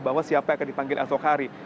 bahwa siapa yang akan dipanggil esok hari